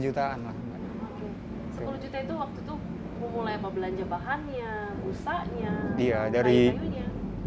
rp sepuluh juta itu waktu itu mau mulai apa belanja bahannya busanya layunya